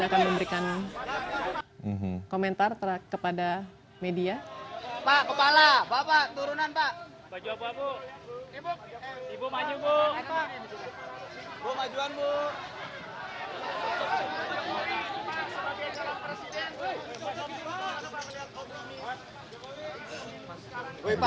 akan memberikan komentar terakhir kepada media kepala bapak turunan pak baju buk buk ibu maju